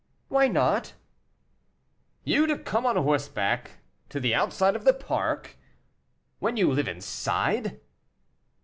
"Why not?" "You to come on horseback to the outside of the park, when you live inside!"